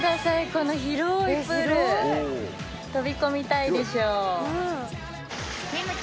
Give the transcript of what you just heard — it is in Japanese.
この広いプール飛び込みたいでしょ？